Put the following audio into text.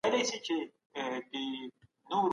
استادانو له ډېرې مودې راهیسې د میتودونو تدریس کړی دی.